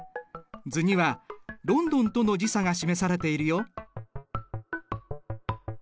図にはロンドンとの時差が示されているよ。